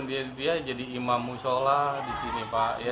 dia jadi imam musola di sini pak